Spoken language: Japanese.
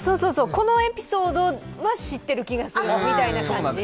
このエピソードは知ってる気がするみたいな感じ。